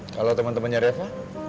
kalo temen temennya reva